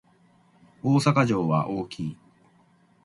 大阪城は大きい